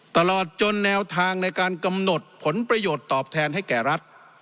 ตลอดจนแนวทางในการกำหนดผลประโยชน์ตอบแทนให้แก่รัฐ